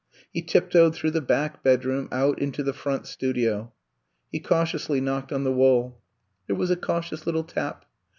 He tiptoed through the back bedroom, out into the front studio. He cautiously knocked on the wall. There was a cautious little tap.